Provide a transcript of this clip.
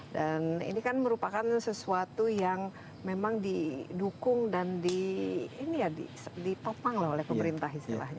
dan ini kan merupakan sesuatu yang memang didukung dan ditopang oleh pemerintah